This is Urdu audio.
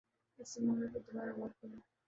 اس نے معاملے پر دوبارہ غور کِیا